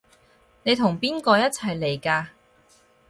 你同邊個一齊嚟㗎？